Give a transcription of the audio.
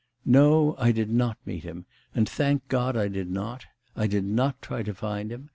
No, I did not meet him, and thank God I did not! I did not try to find him.